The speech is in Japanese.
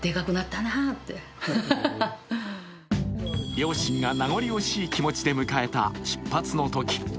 両親が名残惜しい気持ちで迎えた出発のとき。